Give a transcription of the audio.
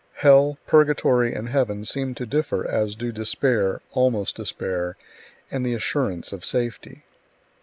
Hell, purgatory, and heaven seem to differ as do despair, almost despair, and the assurance of safety.